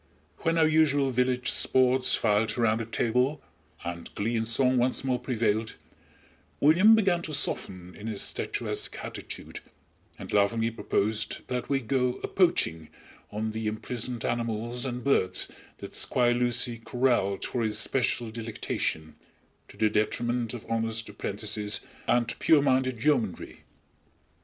When our usual village sports filed around the table, and glee and song once more prevailed, William began to soften in his statuesque attitude, and laughingly proposed that we "go a poaching" on the imprisoned animals and birds that Squire Lucy corraled for his special delectation, to the detriment of honest apprentices and pure minded yeomanry.